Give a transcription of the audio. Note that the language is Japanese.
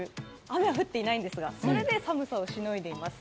雨は降っていないんですが、それで寒さをしのいでいます。